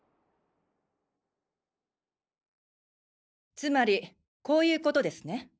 つまりこういうことですね。